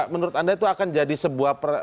menurut anda itu akan jadi sebuah